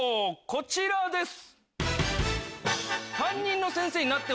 こちらです。